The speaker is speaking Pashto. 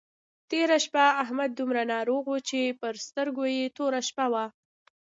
تېره شپه احمد دومره ناروغ وو چې پر سترګو يې توره شپه وه.